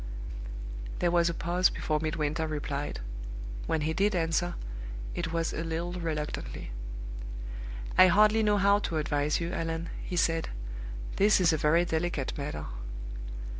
There was a pause before Midwinter replied. When he did answer, it was a little reluctantly. "I hardly know how to advise you, Allan," he said. "This is a very delicate matter."